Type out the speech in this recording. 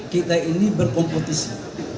kita ini berkompetisi